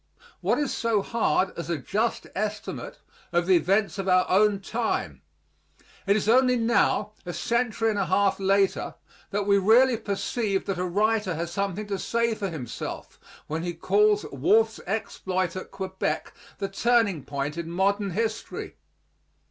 What is so hard as a just estimate of the events of our own time? It is only now, a century and a half later, that we really perceive that a writer has something to say for himself when he calls Wolfe's exploit at Quebec the turning point in modern history.